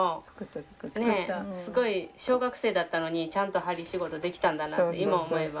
小学生だったのにちゃんと針仕事できたんだなって今思えば。